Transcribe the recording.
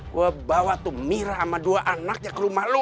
gue bawa tuh mira sama dua anaknya ke rumah lo